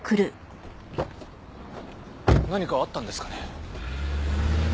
何かあったんですかね？